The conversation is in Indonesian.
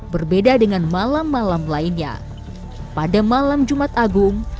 berbeda dengan malam malam lainnya pada malam jumat agung